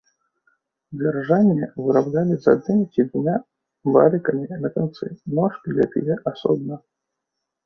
Дзяржанне выраблялі з адным ці двума валікамі на канцы, ножкі ляпілі асобна.